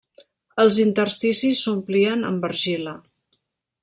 Els intersticis s'omplien amb argila.